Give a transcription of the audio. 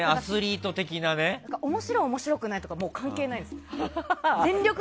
面白い面白くないとか関係ないです。